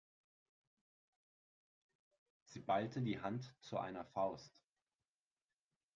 Sie ballte die Hand zu einer Faust.